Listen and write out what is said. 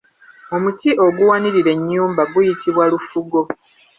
Omuti oguwanirira ennyumba guyitibwa Lufugo.